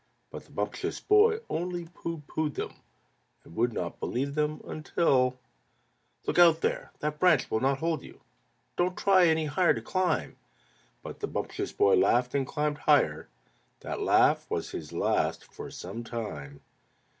But the Bumptious Boy only pooh poohed them, And would not believe them until "Look out there! That branch will not hold you! Don't try any higher to climb!" But the Bumptious Boy laughed and climbed higher: That laugh was his last for some time.